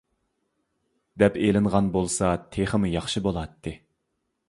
دەپ ئېلىنغان بولسا تېخىمۇ ياخشى بولاتتى.